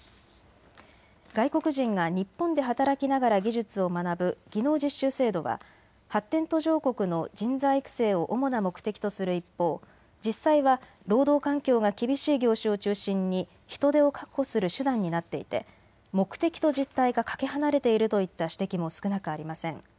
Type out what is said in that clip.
外国人が日本で働きながら技術を学ぶ技能実習制度は発展途上国の人材育成を主な目的とする一方、実際は労働環境が厳しい業種を中心に人手を確保する手段になっていて目的と実態がかけ離れているといった指摘も少なくありません。